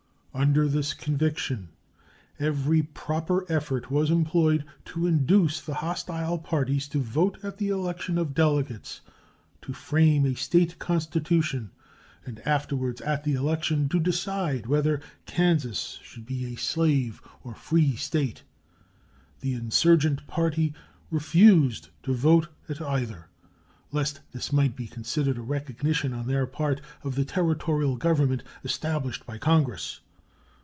Under this conviction every proper effort was employed to induce the hostile parties to vote at the election of delegates to frame a State constitution, and afterwards at the election to decide whether Kansas should be a slave or free State. The insurgent party refused to vote at either, lest this might be considered a recognition on their part of the Territorial government established by Congress.